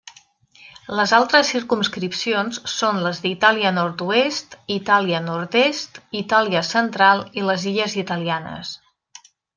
Les altres circumscripcions són les d'Itàlia nord-oest, Itàlia nord-est, Itàlia central i les Illes italianes.